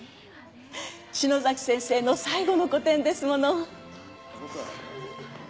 篠崎先生の最後の個展ですもの。